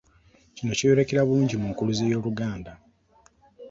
Kino kyeyolekera bulungi mu Nkuluze ya Oluganda.